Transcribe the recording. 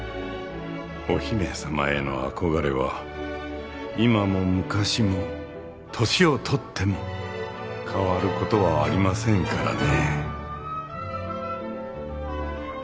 お姫さまへの憧れは今も昔も年を取っても変わることはありませんからね。